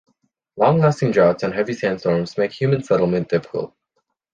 Long lasting droughts and heavy sand storms make human settlement difficult.